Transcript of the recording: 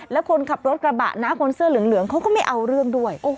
แล้วคนขับรถกระบะนะคนเสื้อเหลืองเขาก็ไม่เอาเรื่องด้วย